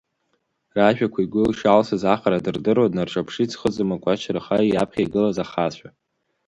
Ражәақәа игәы ишалсыз аҟара дырдыруа днарҿаԥшит зхы зымакәачраха иаԥхьа игылаз ахацәа.